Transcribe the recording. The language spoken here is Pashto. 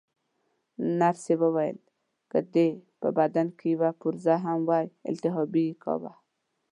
نرسې وویل: که دې په بدن کې یوه پرزه هم وای، التهاب یې کاوه.